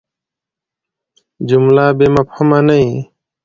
جمله بېمفهومه نه يي.